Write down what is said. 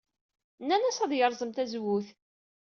Nenna-as ad yerẓem tazewwut.